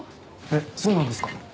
えっそうなんですか？